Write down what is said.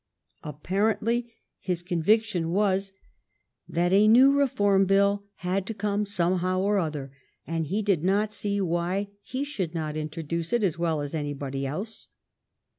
Apparently his conviction was that a new Reform Bill had to come somehow or other, and he did not see why he should not introduce it as well as anybody else.